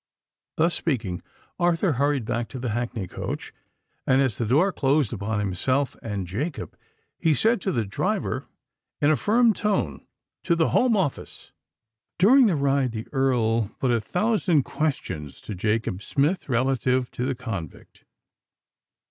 Thus speaking, Arthur hurried back to the hackney coach, and as the door closed upon himself and Jacob, he said to the driver in a firm tone, "TO THE HOME OFFICE!" During the ride, the Earl put a thousand questions to Jacob Smith relative to the convict.